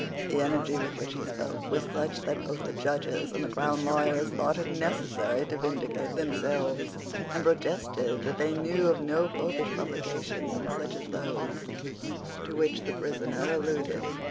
The energy with which he spoke was such that both the Judges and the crown lawyers thought it necessary to vindicate themselves, and protested that they knew of no Popish publications such as those to which the prisoner alluded.